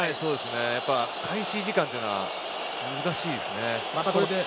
開始時間というのは難しいですね。